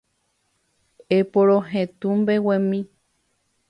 Eporohetũ mbeguemi